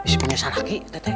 bisa menyusah lagi teteh